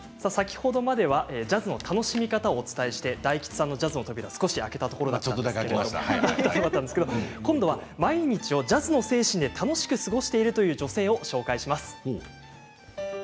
先ほどまではジャズの楽しみ方をご紹介して大吉さんのジャズの扉を少し開けたところなんですが今度は毎日をジャズの精神で楽しく過ごしているという女性を紹介します。